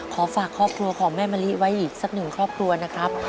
ขอฝากครอบครัวของแม่มะลิไว้อีกสักหนึ่งครอบครัวนะครับ